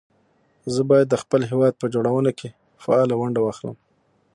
زه بايد د خپل هېواد په جوړونه کې فعاله ونډه واخلم